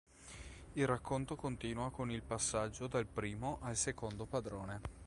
Il racconto continua con il passaggio dal primo al secondo padrone.